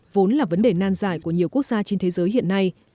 vốn là vấn đề nan giải của nhiều quốc gia trên thế giới hiện nay